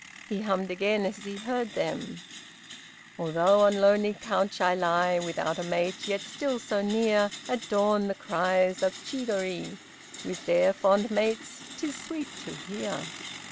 He hummed again as he heard them: "Although on lonely couch I lie Without a mate, yet still so near, At dawn the cries of Chidori, With their fond mates, 'tis sweet to hear."